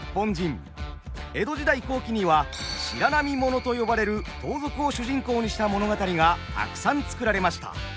江戸時代後期には「白浪もの」と呼ばれる盗賊を主人公にした物語がたくさん作られました。